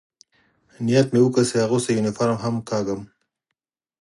نیت مې وکړ، چې اغوستی یونیفورم هم وکاږم.